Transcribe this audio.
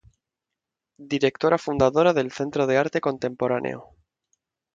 Directora Fundadora del Centro de Arte Contemporáneo.